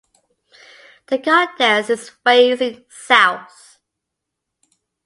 The goddess is facing south.